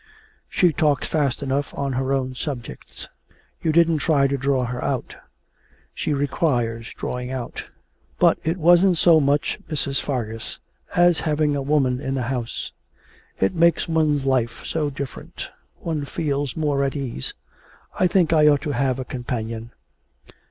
'She talks fast enough on her own subjects. You didn't try to draw her out. She requires drawing out. ... But it wasn't so much Mrs. Fargus as having a woman in the house. It makes one's life so different; one feels more at ease. I think I ought to have a companion.'